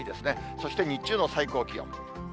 そして日中の最高気温。